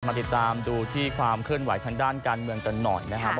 ติดตามดูที่ความเคลื่อนไหวทางด้านการเมืองกันหน่อยนะครับ